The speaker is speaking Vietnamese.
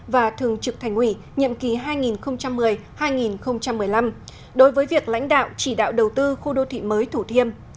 và thường trực thành ủy nhiệm kỳ hai nghìn một mươi hai nghìn một mươi năm đối với việc lãnh đạo chỉ đạo đầu tư khu đô thị mới thủ thiêm